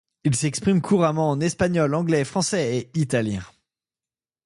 Il s'exprime couramment en espagnol, anglais, français et italien.